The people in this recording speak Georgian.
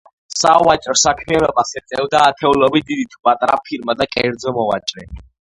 სავაჭრო საქმიანობას ეწეოდა ათეულობით დიდი თუ პატარა ფირმა და კერძო მოვაჭრე.